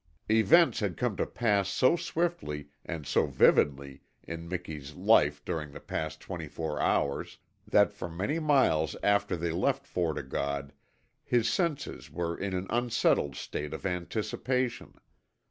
Events had come to pass so swiftly and so vividly in Miki's life during the past twenty four hours that for many miles after they left Fort O' God his senses were in an unsettled state of anticipation.